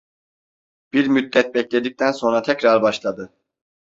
Bir müddet bekledikten sonra tekrar başladı: